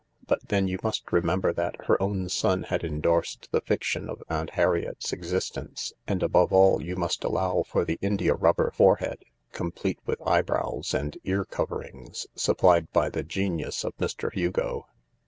But then you must remember that her own son had endorsed the fiction of Aunt Harriet's exis tence, and, above all, you must allow for the indiarubber 288 THE LARK forehead, complete with eyebrows and ear coverings, supplied by the genius of Mr. Hugo.